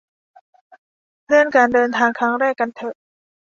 เลื่อนการเดินทางครั้งแรกกันเถอะ